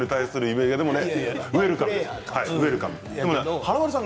華丸さん